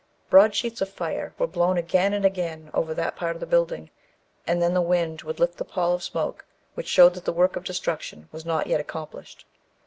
Broad sheets of fire were blown again and again over that part of the building, and then the wind would lift the pall of smoke, which showed that the work of destruction was not yet accomplished.